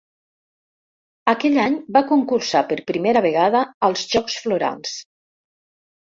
Aquell any va concursar per primera vegada als Jocs Florals.